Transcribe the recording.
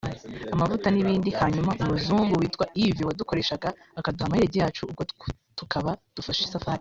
amavuta n’ibindi hanyuma umuzungu witwaga Yves wadukoreshaga akaduha mayirege yacu ubwo tukaba dufashe isafari